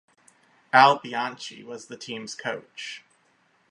Al Bianchi was the team's coach.